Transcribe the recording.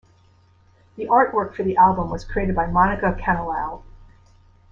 The artwork for the album was created by Monica Canilao.